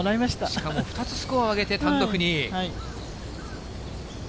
しかも２つスコアを上げて単独２位。